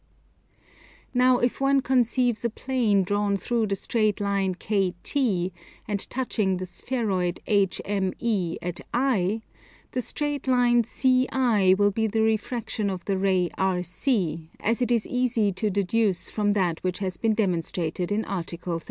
Now if one conceives a plane drawn through the straight line KT and touching the spheroid HME at I, the straight line CI will be the refraction of the ray RC, as is easy to deduce from that which has been demonstrated in Article 36.